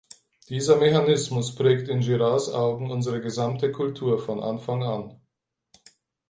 Dieser Mechanismus prägt in Girards Augen unsere gesamte Kultur von Anfang an.